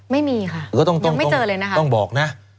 ไม่มีค่ะต้องบอกนะ